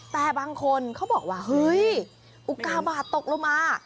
แต่บางคนเขาบอกว่าเฮ้ยอุกาบาทตกลงมา